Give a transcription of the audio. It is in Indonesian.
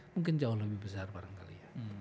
mungkin jauh lebih besar barangkali ya